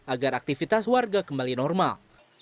agar aktivitas warga berhasil